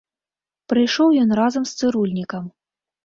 Прыйшоў ён разам з цырульнікам.